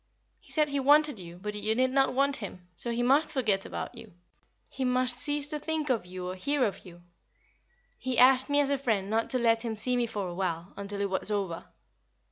He said he wanted you, but you did not want him, so he must forget about you. He must cease to think of you or hear of you. He asked me as a friend not to let him see me for a while, until it was over.